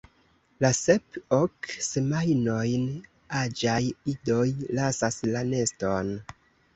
La sep–ok semajnojn aĝaj idoj lasas la neston.